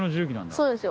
そうですよ。